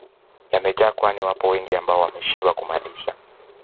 yamejaa kwani wapo wengi ambao wameshindwa kumaliza